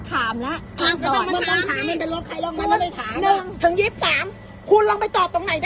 จะเป็นเรื่องคุณมันเกินไปจริงจริงนะ